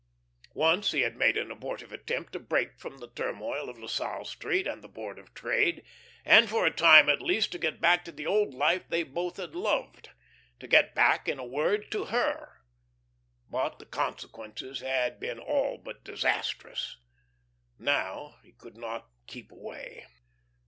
Once he had made an abortive attempt to break from the turmoil of La Salle Street and the Board of Trade, and, for a time at least, to get back to the old life they both had loved to get back, in a word, to her. But the consequences had been all but disastrous. Now he could not keep away.